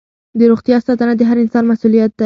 د روغتیا ساتنه د هر انسان مسؤلیت دی.